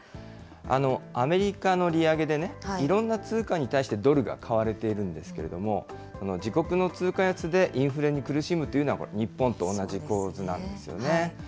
アメリカの利上げでいろんな通貨に対してドルが買われているんですけれども、自国の通貨安でインフレに苦しむというのは、日本と同じ構図なんですよね。